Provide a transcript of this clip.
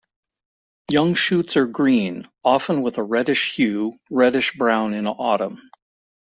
Young shoots are green, often with a reddish hue, reddish-brown in autumn.